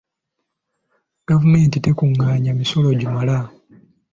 Gavumenti tekungaanya misolo gimala.